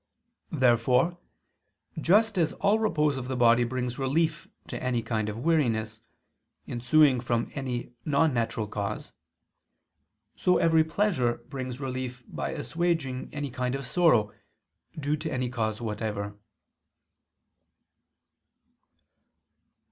Therefore just as all repose of the body brings relief to any kind of weariness, ensuing from any non natural cause; so every pleasure brings relief by assuaging any kind of sorrow, due to any cause whatever.